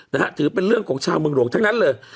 นะฮะถือเป็นเรื่องของชาวเมืองหลวงทั้งนั้นเลย